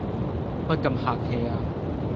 乜咁客氣呀？